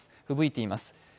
ふぶいています。